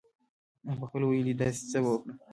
هغه پخپله ویلې دي داسې څه به وکړم.